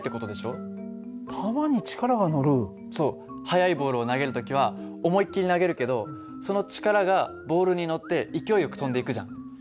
速いボールを投げる時は思いっきり投げるけどその力がボールに乗って勢いよく飛んでいくじゃん。